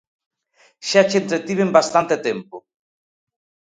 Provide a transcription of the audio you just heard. Xa che entretiven bastante tempo.